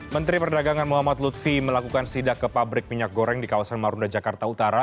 menteri perdagangan muhammad lutfi melakukan sidak ke pabrik minyak goreng di kawasan marunda jakarta utara